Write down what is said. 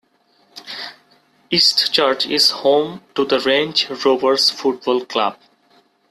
Eastchurch is home to the Range Rovers Football Club.